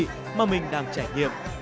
thú vị mà mình đang trải nghiệm